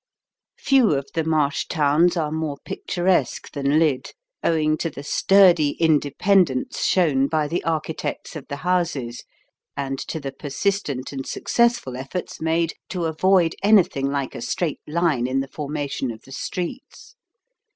Few of the marsh towns are more picturesque than Lydd, owing to the sturdy independence shown by the architects of the houses, and to the persistent and successful efforts made to avoid anything like a straight line in the formation of the streets.